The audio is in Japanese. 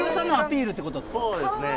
そうですね。